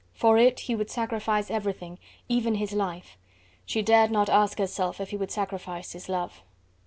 For it he would sacrifice everything, even his life; she dared not ask herself if he would sacrifice his love.